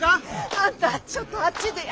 あんたちょっとあっちで休も。